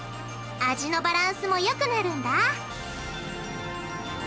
味のバランスもよくなるんだ！